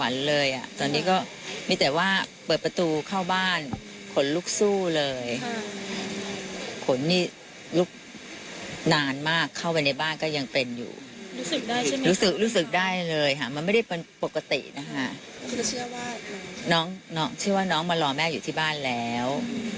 น้องน้องชื่อว่าน้องมารอแม่อยู่ที่บ้านแล้ว